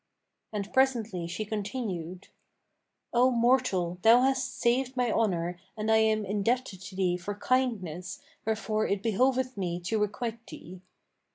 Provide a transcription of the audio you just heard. '[FN#502] And presently she continued, 'O mortal, thou hast saved my honour and I am indebted to thee for kindness, wherefore it behoveth me to requite thee.'